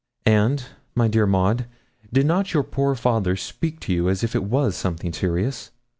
'And, my dear Maud, did not your poor father speak to you as if it was something serious?'